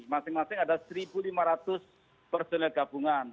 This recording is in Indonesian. masing masing ada seribu lima ratus personel gabungan